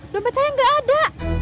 lompat saya gak ada